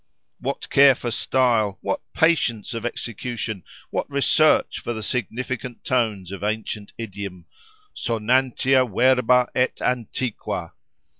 What care for style! what patience of execution! what research for the significant tones of ancient idiom—sonantia verba et antiqua!